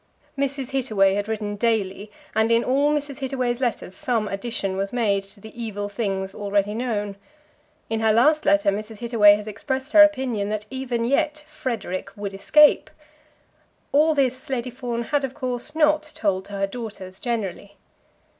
Mrs. Hittaway had written daily, and in all Mrs. Hittaway's letters some addition was made to the evil things already known. In her last letter Mrs. Hittaway had expressed her opinion that even yet "Frederic" would escape. All this Lady Fawn had, of course, not told to her daughters generally.